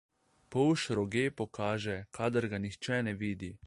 Polž roge pokaže, kadar ga nihče ne vidi.